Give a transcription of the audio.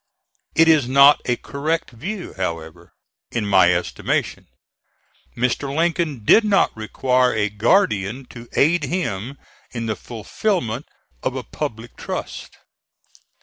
It is not a correct view, however, in my estimation. Mr. Lincoln did not require a guardian to aid him in the fulfilment of a public trust.